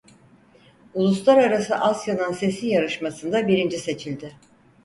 Uluslararası Asyanın sesi yarışmasında birinci seçildi.